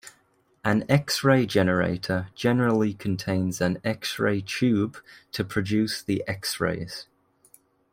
An X-ray generator generally contains an X-ray tube to produce the X-rays.